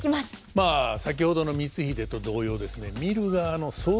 まあ先ほどの光秀と同様ですね